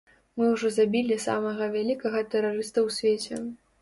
Мы ўжо забілі самага вялікага тэрарыста ў свеце.